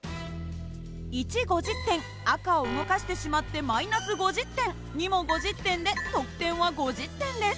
１５０点赤を動かしてしまって−５０点２も５０点で得点は５０点です。